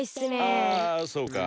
あそうか。